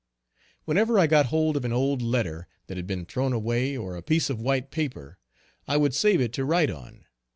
Whenever I got hold of an old letter that had been thrown away, or a piece of white paper, I would save it to write on.